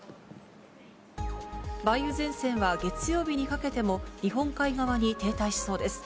梅雨前線は月曜日にかけても、日本海側に停滞しそうです。